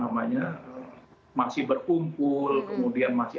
kemudian masih ada yang berkumpul masih ada yang berkumpul